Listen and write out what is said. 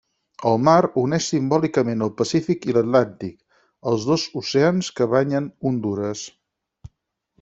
El mar uneix simbòlicament el Pacífic i l'Atlàntic, els dos oceans que banyen Hondures.